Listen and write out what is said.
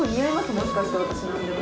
もしかして私なんでも。